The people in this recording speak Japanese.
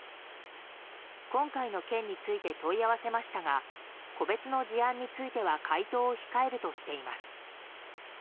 今回の件について問い合わせましたが個別の事案については回答を控えるとしています。